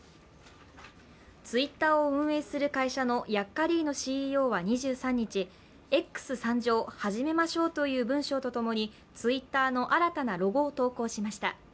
Ｔｗｉｔｔｅｒを運営する会社のヤッカリーノＣＥＯは２３日、「Ｘ参上！始めましょう」という文章とともにＴｗｉｔｔｅｒの新たなロゴを投稿しました。